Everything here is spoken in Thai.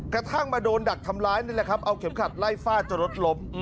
กระทั่งมาโดนดักทำร้ายนี่แหละครับเอาเข็มขัดไล่ฟาดจนรถล้ม